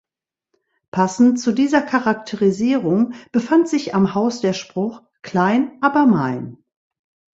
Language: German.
Passend zu dieser Charakterisierung befand sich am Haus der Spruch: „Klein, aber mein“.